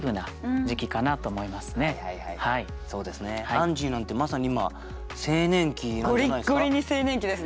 アンジーなんてまさに今青年期なんじゃないですか？